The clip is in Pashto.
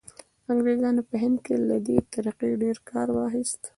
انګریزانو په هند کې له دې طریقې ډېر کار واخیست.